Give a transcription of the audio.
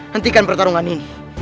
hentikan pertarungan ini